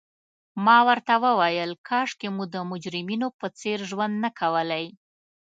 ما ورته وویل: کاشکي مو د مجرمینو په څېر ژوند نه کولای.